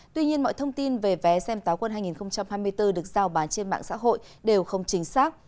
tuy nhiên mọi thông tin về vé xem táo quân hai nghìn hai mươi bốn được giao bán trên mạng xã hội đều không chính xác